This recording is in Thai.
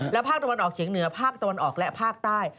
และภาคตะวันออกเฉียงเหนือภาคตะวันออกและภาคใต้